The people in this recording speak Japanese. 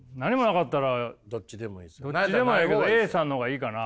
どっちでもええけどＡさんの方がいいかな？